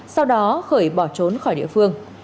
sau đó khởi bỏ trốn khỏi địa phương